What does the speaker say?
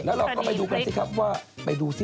แล้วเราก็ไปดูกันสิครับว่าไปดูสิ